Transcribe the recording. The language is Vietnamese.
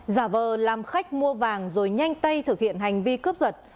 giả vờ làm khách mua vàng rồi nhanh tay thực hiện hành vi cướp giật